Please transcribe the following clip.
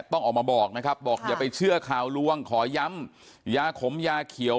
ต้องออกมาบอกนะครับบอกอย่าไปเชื่อข่าวลวงขอย้ำยาขมยาเขียว